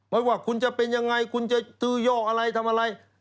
ไม่ว่าคุณจะเป็นอย่างไรคุณจะตื้อยกอะไรทำอะไร